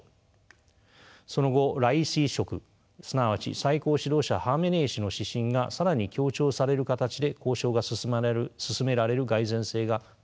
その後ライシ色すなわち最高指導者ハーメネイ師の指針が更に強調される形で交渉が進められる蓋然性が高いのです。